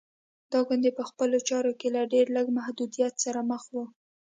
دا ګوند په خپلو چارو کې له ډېر لږ محدودیت سره مخ و.